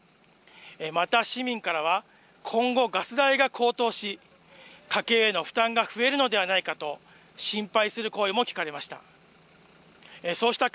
また市民からは、今後、ガス代が高騰し、家計への負担が増えるのではないかと、心配する声も聞かれました。